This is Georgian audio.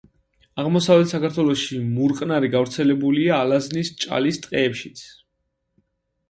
აღმოსავლეთ საქართველოში მურყნარი გავრცელებულია ალაზნის ჭალის ტყეებშიც.